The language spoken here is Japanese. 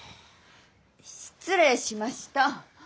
失礼しました。